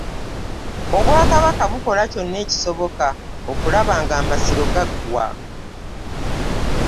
Obwakabaka bukola kyonna ekisoboka okulaba ng'amasiro gaggwa